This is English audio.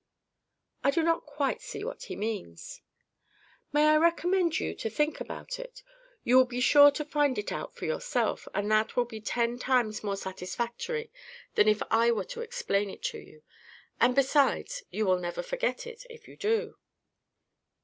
'" "I do not quite see what he means." "May I recommend you to think about it? You will be sure to find it out for yourself, and that will be ten times more satisfactory than if I were to explain it to you. And, besides, you will never forget it, if you do."